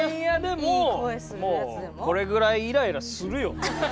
もうこれぐらいイライラするよ。